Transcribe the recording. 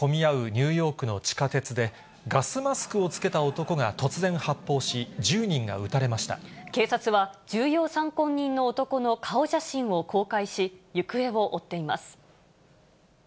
ニューヨークの地下鉄で、ガスマスクを着けた男が突然発砲し、１０人が撃警察は、重要参考人の男の顔写真を公開し、行方を追っています。